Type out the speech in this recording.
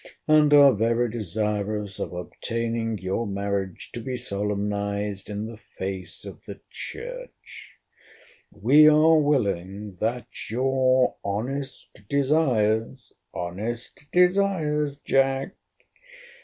and are very desirous of obtaining your marriage to be solemnized in the face of the church: We are willing that your honest desires [honest desires, Jack!